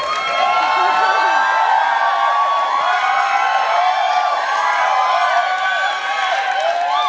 โอ้โห